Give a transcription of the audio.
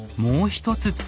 もう一つ。